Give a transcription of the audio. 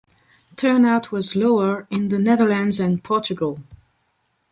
Turnout was lower in the Netherlands and Portugal.